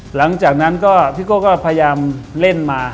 หลังจากนั้นก็พี่โก้ก็พยายามเล่นมา